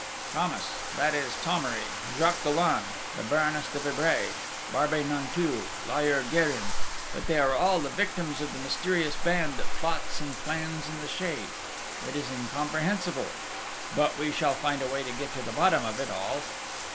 "Thomas that is Thomery; Jacques Dollon, the Baroness de Vibray, Barbey Nanteuil, lawyer Gérin but they are all the victims of the mysterious band that plots and plans in the shade!... It is incomprehensible but we shall find a way to get to the bottom of it all!"